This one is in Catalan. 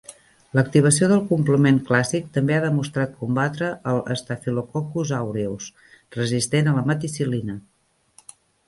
L'activació del complement clàssic també ha demostrat combatre el "Staphylococcus aureus" resistent a la meticil·lina.